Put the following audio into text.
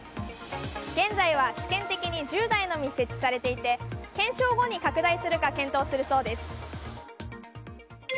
現在は試験的に１０台のみ設置されていて検証後に拡大するか検討するそうです。